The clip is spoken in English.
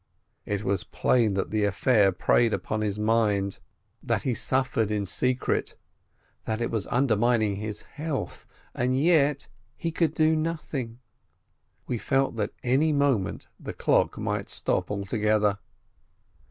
It was plain that the affair preyed upon his mind, that 120 SHOLOM ALECHEM he suffered in secret, that it was undermining his health, and yet he could do nothing. We felt that any moment the clock might stop altogether.